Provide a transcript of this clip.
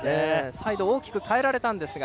サイドを大きく変えられたんですが。